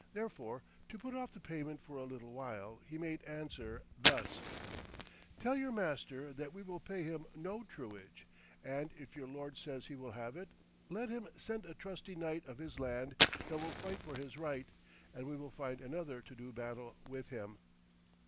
Therefore, to put off the payment for a little while, he made answer thus: 'Tell your master that we will pay him no truage; and if your lord says he will have it, let him send a trusty knight of his land that will fight for his right, and we will find another to do battle with him.'